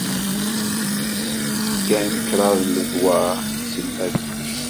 Kkan kraḍt n ledwaṛ deg Islamabad.